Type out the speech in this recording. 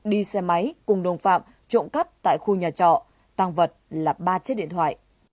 đi xe máy cùng đồng phạm trộm cắp tại khu nhà trọ tăng vật là ba chiếc điện thoại